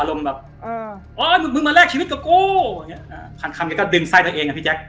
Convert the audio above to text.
อารมณ์แบบเออมึงมาแลกชีวิตกับกูพันคำแกก็ดึงไส้ตัวเองอ่ะพี่แจ็ค